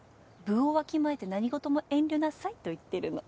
分をわきまえて何事も遠慮なさいと言ってるの。